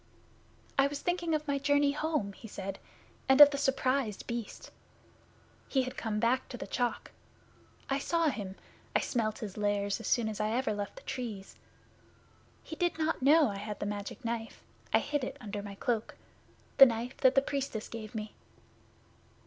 'I was thinking of my journey home,' he said, 'and of the surprised Beast. He had come back to the Chalk. I saw him I smelt his lairs as soon as ever I left the Trees. He did not know I had the Magic Knife I hid it under my cloak the Knife that the Priestess gave me.